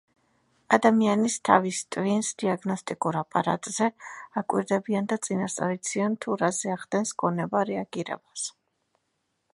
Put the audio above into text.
ადამიანის თავის ტვინს დიაგნოსტიკურ აპარატზე აკვირდებიან და წინასწარ იციან, თუ რაზე ახდენს გონება რეაგირებას.